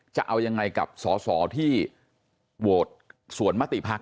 จะเอายังไงกับสอบที่โหวดสวนมติพรรค